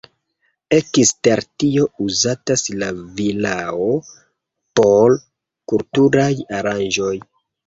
Ekster tio uzatas la vilao por kulturaj aranĝoj.